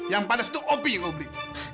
yang pantas itu opi yang kau beli